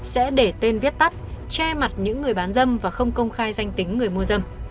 sẽ để tên viết tắt che mặt những người bán dâm và không công khai danh tính người mua dâm